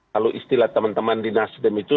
kalau istilah teman teman di nasdem itu